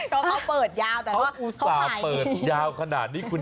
ก็เขาเปิดยาวแต่ถ้า